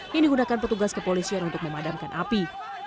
yang digunakan petugas kepolisian untuk memadamkan api